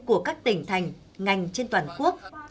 của các tỉnh thành ngành trên toàn quốc